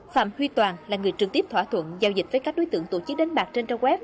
phạm huy toàn là người trực tiếp thỏa thuận giao dịch với các đối tượng tổ chức đánh bạc trên trang web